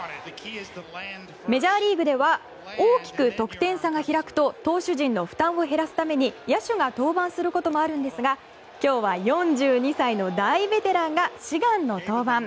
メジャーリーグでは大きく得点差が開くと投手陣の負担を減らすために野手が登板することもあるんですが今日は４２歳の大ベテランが志願の登板。